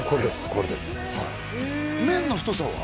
これですはい麺の太さは？